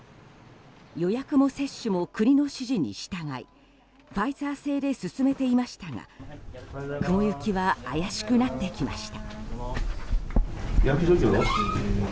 予約も接種も国の指示に従いファイザー製で進めていましたが雲行きは怪しくなってきました。